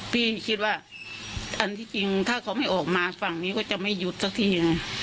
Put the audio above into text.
พี่คิดว่าอันที่จริงถ้าเขาไม่ออกมาฝั่งนี้ก็จะไม่หยุดสักทีไง